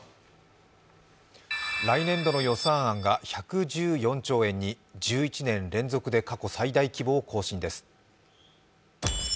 来年度の予算案が１１４兆円に１１年連続で過去最大規模を更新です。